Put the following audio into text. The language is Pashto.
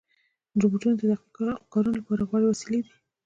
روبوټونه د دقیق کارونو لپاره غوره وسیلې دي.